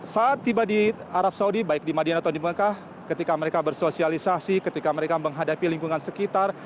saat tiba di arab saudi baik di madinah atau di mekah ketika mereka bersosialisasi ketika mereka menghadapi lingkungan sekitar